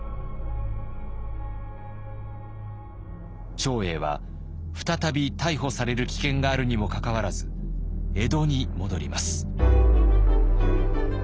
長英は再び逮捕される危険があるにもかかわらず江戸に戻ります。